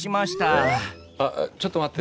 あちょっと待って！